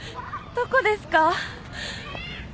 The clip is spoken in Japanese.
どこですか？